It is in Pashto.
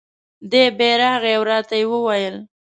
دی بیا راغی او را ته یې وویل: